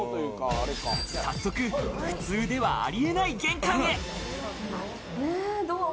早速、普通ではありえない玄関へ。